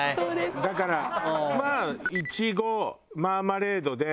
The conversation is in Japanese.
だからまあイチゴマーマレードで。